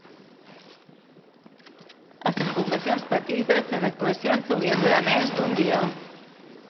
A les poblacions petites, les actuacions solien durar més d'un dia.